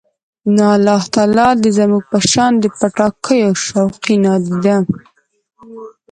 نو الله تعالی دې زموږ په شان د پټاکیو شوقي، نادیده